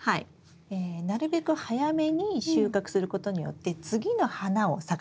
なるべく早めに収穫することによって次の花を咲かせやすい。